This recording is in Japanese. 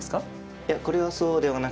いやこれはそうではなくて。